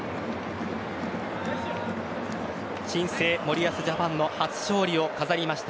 新生森保ジャパンの初勝利を飾りました。